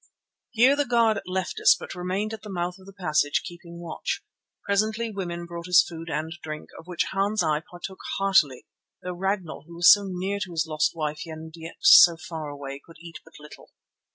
Here the guard left us but remained at the mouth of the passage, keeping watch. Presently women brought us food and drink, of which Hans and I partook heartily though Ragnall, who was so near to his lost wife and yet so far away, could eat but little.